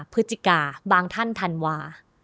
คือจิกาบางท่านทันวา